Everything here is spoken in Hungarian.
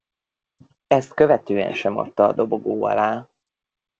Ezt követően sem adta a dobogó alá.